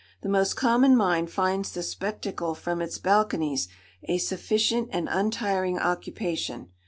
The most common mind finds the spectacle from its balconies a sufficient and untiring occupation.